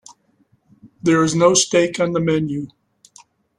There is no steak on the menu.